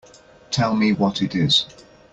Tell me what it is.